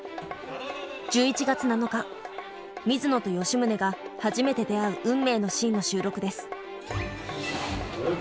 １１月７日水野と吉宗が初めて出会う運命のシーンの収録です。